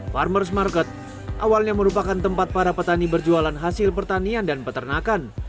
parmers ⁇ market awalnya merupakan tempat para petani berjualan hasil pertanian dan peternakan